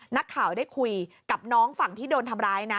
นักข่าวได้คุยกับน้องฝั่งที่โดนทำร้ายนะ